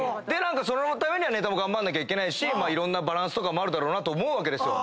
そのためにネタも頑張んなきゃいけないしいろんなバランスとかもあるだろうなと思うわけですよ。